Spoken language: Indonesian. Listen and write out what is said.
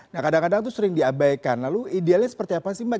nah kadang kadang itu sering diabaikan lalu idealnya seperti apa sih mbak